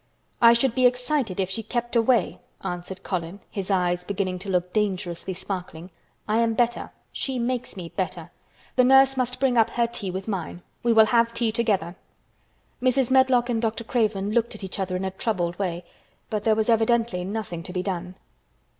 "I should be excited if she kept away," answered Colin, his eyes beginning to look dangerously sparkling. "I am better. She makes me better. The nurse must bring up her tea with mine. We will have tea together." Mrs. Medlock and Dr. Craven looked at each other in a troubled way, but there was evidently nothing to be done.